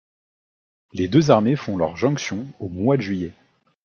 Les deux armées font leur jonction au mois de juillet.